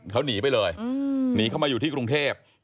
เขาหนีไปเลยหนีเข้ามาอยู่ที่กรุงเทพ